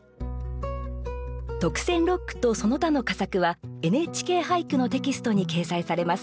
特選六句とその他の佳作は「ＮＨＫ俳句」のテキストに掲載されます。